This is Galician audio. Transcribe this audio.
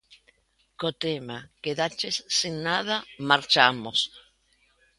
Co tema "Quedaches sen nada", marchamos.